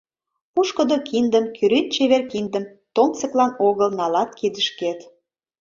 Пушкыдо киндым, кӱрен-чевер киндым Томсыклан огыл налат кидышкет.